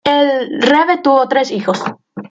El rebe tuvo tres hijos.